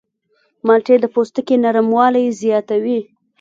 مالټې د پوستکي نرموالی زیاتوي.